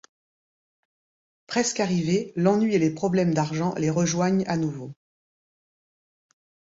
Presque arrivés, l'ennui et les problèmes d'argent les rejoignent à nouveau.